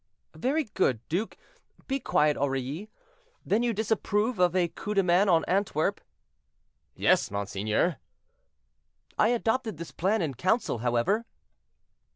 "Very good, duke; be quiet, Aurilly. Then you disapprove of a coup de main on Antwerp?"—"Yes, monseigneur." "I adopted this plan in council, however."